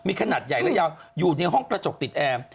มีขนาดใหญ่และยาวอยู่ในห้องกระจกติดแอร์